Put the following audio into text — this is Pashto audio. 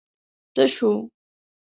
تش و.